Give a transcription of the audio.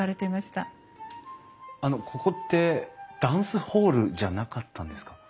あのここってダンスホールじゃなかったんですか？